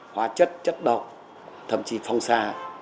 hóa chất chất độc thậm chí phòng xa